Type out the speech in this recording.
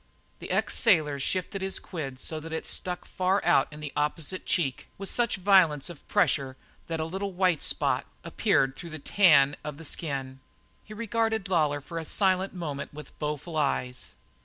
The ex sailor shifted his quid so that it stuck far out in the opposite cheek with such violence of pressure that a little spot of white appeared through the tan of the skin. He regarded Lawlor for a silent moment with bodeful eyes.